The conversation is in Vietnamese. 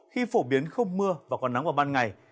khi phổ biến không mưa và còn nắng vào ban ngày